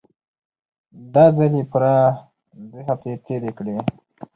دا ځل يې پوره دوې هفتې تېرې کړې.